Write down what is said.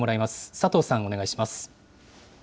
佐藤さん、お願いします。